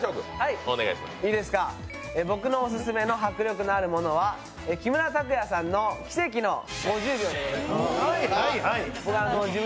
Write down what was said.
僕のオススメの迫力があるものは木村拓哉さんの奇跡の５０秒でございます。